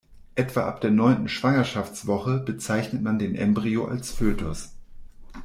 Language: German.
Etwa ab der neunten Schwangerschaftswoche bezeichnet man den Embryo als Fötus.